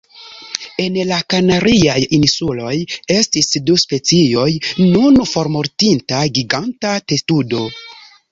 En la Kanariaj Insuloj estis du specioj nun formortinta giganta testudo.